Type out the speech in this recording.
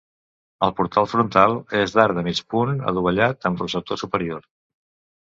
El portal frontal és d'arc de mig punt adovellat, amb rosetó superior.